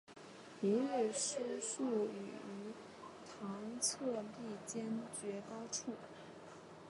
明日书数语于堂侧壁间绝高处。